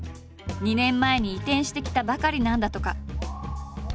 ２年前に移転してきたばかりなんだとか。